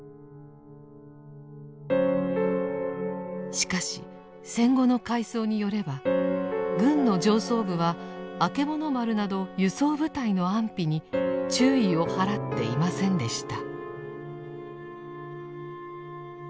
しかし戦後の回想によれば軍の上層部はあけぼの丸など輸送部隊の安否に注意を払っていませんでした。